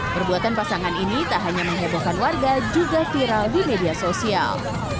perbuatan pasangan ini tak hanya menghebohkan warga juga viral di media sosial